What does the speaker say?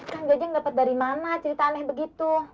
kan gajang dapat dari mana cerita aneh begitu